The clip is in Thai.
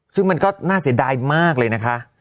ซึ่งมันก็น่าเสียดายมากเลยนะคะ